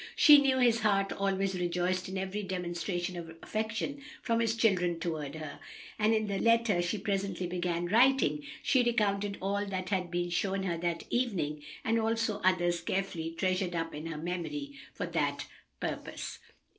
She knew his heart always rejoiced in every demonstration of affection from his children toward her, and in the letter she presently began writing she recounted all that had been shown her that evening, and also others carefully treasured up in her memory for that purpose.